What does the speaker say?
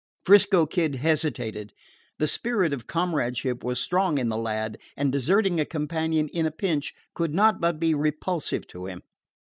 'Frisco Kid hesitated. The spirit of comradeship was strong in the lad, and deserting a companion in a pinch could not but be repulsive to him.